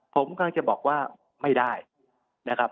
ผมกำลังจะบอกว่าไม่ได้นะครับ